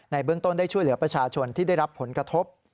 เบื้องต้นได้ช่วยเหลือประชาชนที่ได้รับผลกระทบ